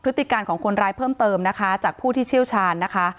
ติการของคนร้ายเพิ่มเติมนะคะจากผู้ที่เชี่ยวชาญนะคะ